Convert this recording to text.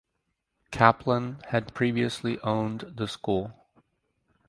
Kaplan had previously owned the school.